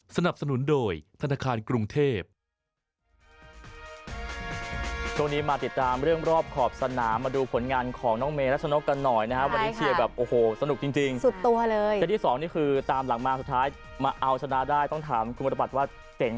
สนับสนุนโดยธนาคารกรุงเทพธนิยมมาติดตามเรื่องรอบหอบสนามมาดูผลงานของน้องเมย์รัชนกันหน่อยนะครับวันนี้เชียร์แบบโอ้โหสนุกจริงสุดตัวเลยที่สองนี่คือตามหลังมาสุดท้ายมาเอาชนะได้ต้องถามคุณบริบัติว่าเจ๋ง